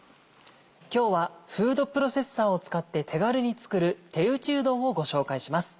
今日はフードプロセッサーを使って手軽に作る「手打ちうどん」をご紹介します。